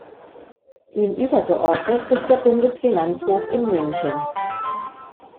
Ihm übergeordnet ist der Bundesfinanzhof in München.